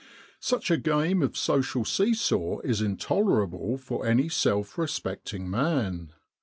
Such a game of social see saw is intolerable for any self respecting man.